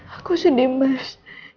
aku sedih mas